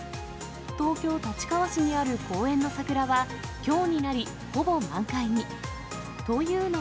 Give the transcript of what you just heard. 東京・立川市にある公園の桜は、きょうになり、ほぼ満開に。